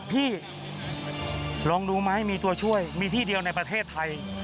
พี่ลองดูไหมมีตัวช่วยมีที่เดียวในประเทศไทย